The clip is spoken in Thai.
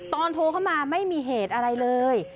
โทรเข้ามาไม่มีเหตุอะไรเลย